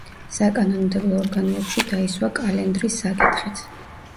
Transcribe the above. საკანონმდებლო ორგანოებში დაისვა კალენდრის საკითხიც.